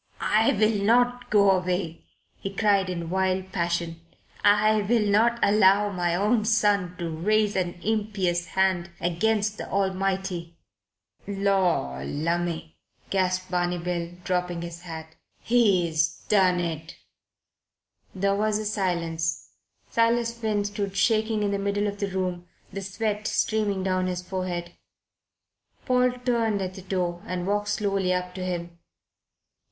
"I will not go away," he cried in wild passion. "I will not allow my own son to raise an impious hand against the Almighty." "Lor' lumme!" gasped Barney Bill, dropping his hat. "He's done it." There was a silence. Silas Finn stood shaking in the middle of the room, the sweat streaming down his forehead. Paul turned at the door and walked slowly up to him.